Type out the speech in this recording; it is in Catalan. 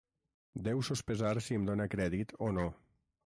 Deu sospesar si em dóna crèdit o no.